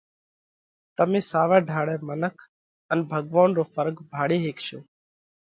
تمي ساوئہ ڍاۯئہ منک ان ڀڳوونَ رو ڦرق ڀاۯي هيڪشو۔